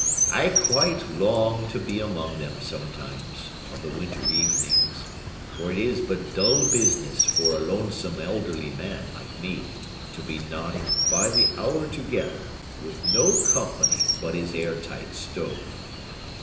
I quite long to be among them, sometimes, of the winter evenings; for it is but dull business for a lonesome elderly man, like me, to be nodding, by the hour together, with no company but his air tight stove.